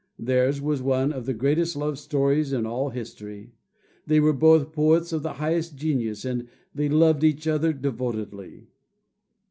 Theirs was one of the greatest love stories in all history. They were both poets of the highest genius, and they loved each other devotedly.